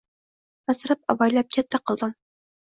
Asrab-avaylab katta qildim